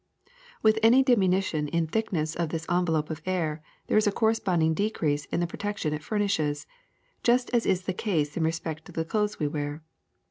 ^^With any diminution in the thickness of this en velop of air there is a corresponding decrease in the protection it furnishes, just as is the case in respect to the clothes we wear.